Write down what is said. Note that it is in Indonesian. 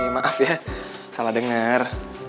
maaf ya salah denger